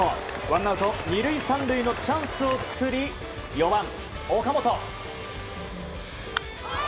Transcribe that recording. ワンアウト２塁３塁のチャンスを作り４番、岡本。